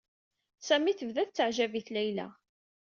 Sami tebda tettaɛjab-it Layla.